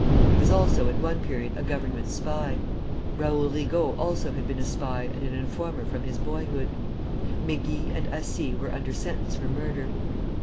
He was also at one period a Government spy. Raoul Rigault also had been a spy and an informer from his boyhood. Mégy and Assy were under sentence for murder.